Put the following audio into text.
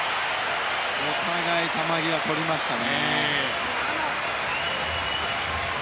お互い球際をとりましたね。